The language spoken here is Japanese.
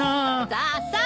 さあさあ。